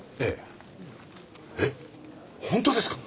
えっ本当ですか！？